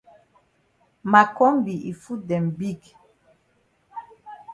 Ma kombi yi foot dem big.